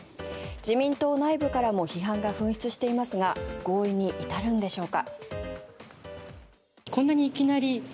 自民党内部からも批判が噴出していますが合意に至るのでしょうか。